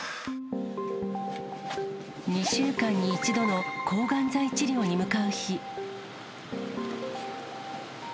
２週間に１度の抗がん剤治療に向かう日。